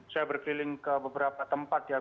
saya berkeliling ke beberapa tempat di abp